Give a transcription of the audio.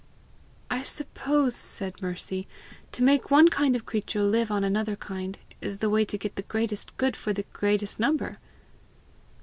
"I suppose," said Mercy, "to make one kind of creature live on another kind, is the way to get the greatest good for the greatest number!"